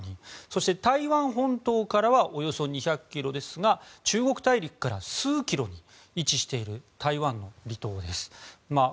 そして、台湾本島からはおよそ２００ｋｍですが中国大陸から数キロに位置している台湾の離島です。